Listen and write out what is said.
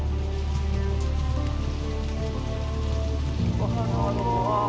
datangkan pertolonganmu ya allah